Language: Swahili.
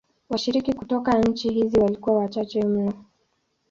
Washiriki kutoka nchi hizi walikuwa wachache mno.